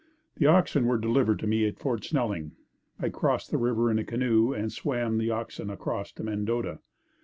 The oxen were delivered to me at Fort Snelling. I crossed the river in a canoe and swam the oxen across to Mendota.